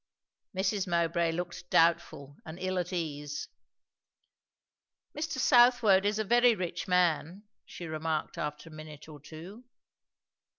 Mrs. Mowbray looked doubtful and ill at ease. "Mr. Southwode is a very rich man, " she remarked after a minute or two.